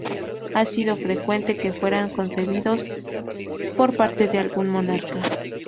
Ha sido frecuente que fueran concedidos por parte de algún monarca.